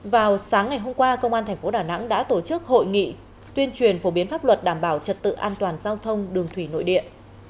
vào sáng ngày hôm qua công an tp đà nẵng đã tổ chức hội nghị tuyên truyền phổ biến pháp luật đảm bảo trật tự an toàn giao thông đường thủy nội địa